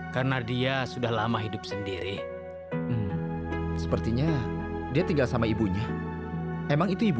tapi ya sudah lah kalau sudah jodoh mau apa lagi